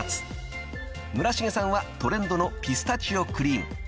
［村重さんはトレンドのピスタチオクリーム］